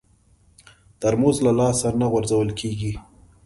ترموز له لاسه نه غورځول کېږي.